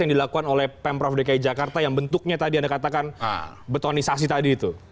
yang dilakukan oleh pemprov dki jakarta yang bentuknya tadi anda katakan betonisasi tadi itu